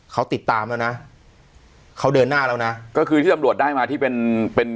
เขาติดตามแล้วนะเขาเดินหน้าแล้วนะก็คือที่ตำรวจได้มาที่เป็นเป็น